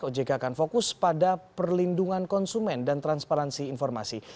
ojk akan fokus pada perlindungan konsumen dan transparansi informasi